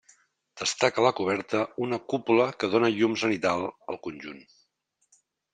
Destaca a la coberta una cúpula que dóna llum zenital al conjunt.